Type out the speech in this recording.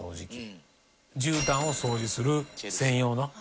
じゅうたんを掃除する専用の掃除機。